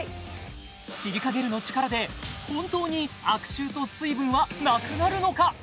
シリカゲルの力で本当に悪臭と水分はなくなるのか！？